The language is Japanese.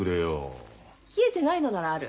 冷えてないのならある。